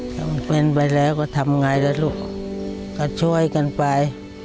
ถ้ามันเป็นไปแล้วก็ทำไงล่ะลูกก็ช่วยกันไป